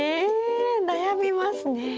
え悩みますね。